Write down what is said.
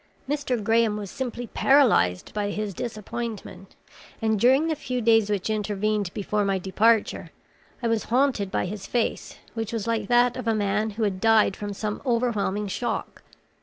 Mr. Graham was simply paralyzed by his disappointment, and during the few days which intervened before my departure, I was haunted by his face, which was like that of a man who had died from some overwhelming shock.